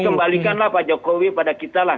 jadi kembalikanlah pak jokowi pada kita lah